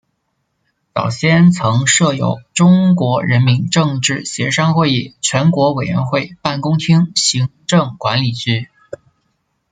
早先曾设有中国人民政治协商会议全国委员会办公厅行政管理局。